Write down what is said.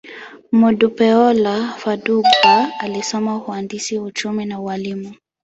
Modupeola Fadugba alisoma uhandisi, uchumi, na ualimu.